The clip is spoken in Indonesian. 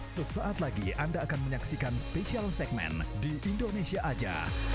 sesaat lagi anda akan menyaksikan spesial segmen di indonesia aja